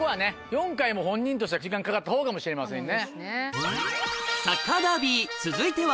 ４回も本人としては時間かかったほうかもしれませんね。